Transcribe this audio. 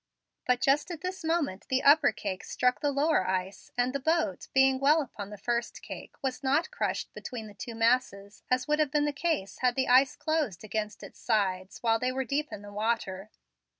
But just at this moment the upper cake struck the lower ice, and the boat, being well up on the first cake, was not crushed between the two masses, as would have been the case had the ice closed against its sides while they were deep in the water.